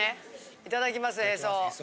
いただきますへそ。